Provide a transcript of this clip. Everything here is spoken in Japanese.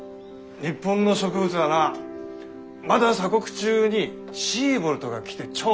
日本の植物はなまだ鎖国中にシーボルトが来て調査して回ったからな。